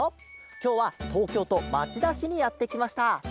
きょうはとうきょうとまちだしにやってきました。